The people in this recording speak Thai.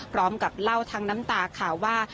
พร้อมกับเล่าทั้งน้ำตาค่ะว่า